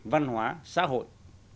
văn hóa xã hội